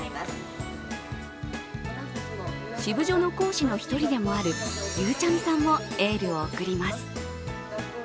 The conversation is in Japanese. シブジョの講師の１人でもあるゆうちゃみさんもエールを送ります。